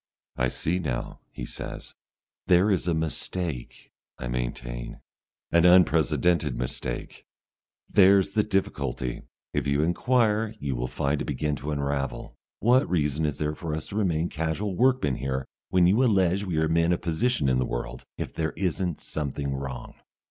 "I see now," he says. "There is a mistake," I maintain, "an unprecedented mistake. There's the difficulty. If you inquire you will find it begin to unravel. What reason is there for us to remain casual workmen here, when you allege we are men of position in the world, if there isn't something wrong?